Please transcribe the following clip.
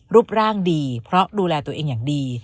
รูปร่างดีเพราะดูแลตัวเองอย่างดี